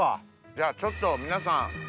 じゃあちょっと皆さん